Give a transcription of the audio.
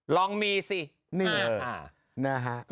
ลองมีสิเนี่ยค่ะนะฮะนะฮะ